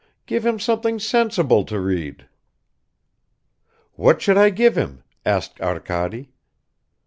Give him something sensible to read." "What should I give him?" asked Arkady.